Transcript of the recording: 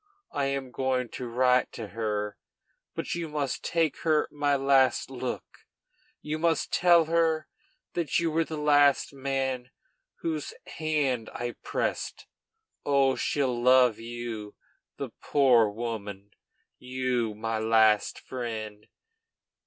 I am going to write to her; but you must take her my last look; you must tell her that you were the last man whose hand I pressed. Oh, she'll love you, the poor woman! you, my last friend.